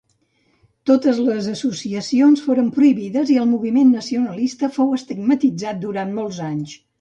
Totes les associacions foren prohibides i el moviment nacionalista fou estigmatitzat durant molts anys.